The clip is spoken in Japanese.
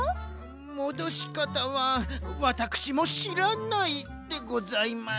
もどしかたはワタクシもしらないでございます。